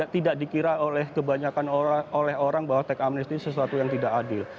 tidak dikira oleh kebanyakan orang bahwa tech amnesty sesuatu yang tidak adil